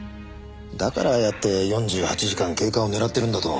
だからああやって４８時間経過を狙ってるんだと。